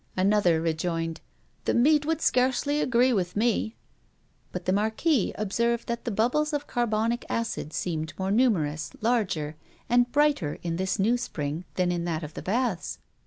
Another rejoined: "The meat would scarcely agree with me!" But the Marquis observed that the bubbles of carbonic acid seemed more numerous, larger, and brighter in this new spring than in that of the baths.